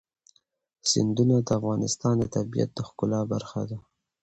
سیندونه د افغانستان د طبیعت د ښکلا برخه ده.